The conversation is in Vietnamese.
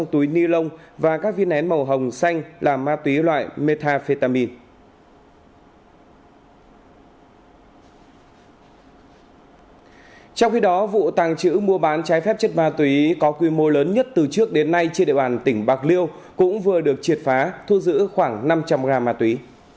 trong khi đó vụ tàng trữ mua bán trái phép chất ma túy có quy mô lớn nhất từ trước đến nay trên địa bàn tỉnh bạc liêu cũng vừa được triệt phá thu giữ khoảng năm trăm linh gram ma túy